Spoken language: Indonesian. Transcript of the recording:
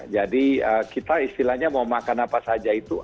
jadi kita istilahnya mau makan apa saja itu